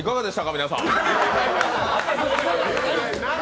皆さん。